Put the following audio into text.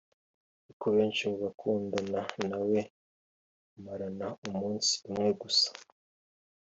kuko abenshi mu bakundana nawe bamarana umunsi umwe gusa